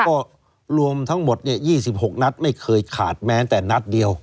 ก็รวมทั้งหมด๒๖นัดไม่เคยขาดแม้แต่นัดเดียว